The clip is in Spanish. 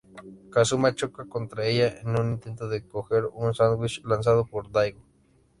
Kazuma choca contra ella en un intento de coger un sándwich lanzado por Daigo.